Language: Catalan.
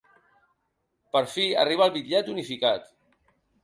Per fi arriba el bitllet unificat.